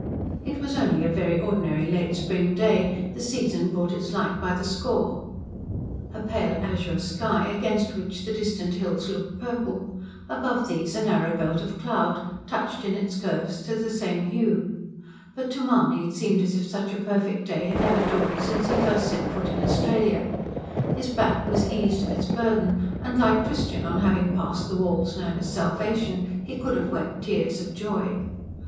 It was only a very ordinary late spring day; the season brought its like by the score: a pale azure sky, against which the distant hills looked purple; above these a narrow belt of cloud, touched, in its curves, to the same hue. But to Mahony it seemed as if such a perfect day had never dawned since he first set foot in Australia. His back was eased of its burden; and, like Christian on having passed the wall known as Salvation, he could have wept tears of joy.